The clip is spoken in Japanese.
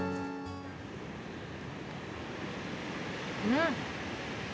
うん。